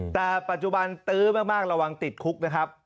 แต่ปัจจุบันตื้อมากระวังติดคุกนะครับ